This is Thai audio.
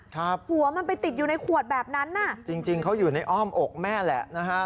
หัวมันไปติดอยู่ในขวดแบบนั้นน่ะจริงจริงเขาอยู่ในอ้อมอกแม่แหละนะฮะ